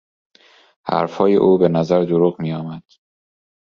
حرفهای او به نظر دروغ میآمد.